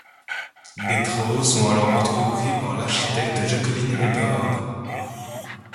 Des travaux sont alors entrepris par l’architecte Jacqueline Eberhard.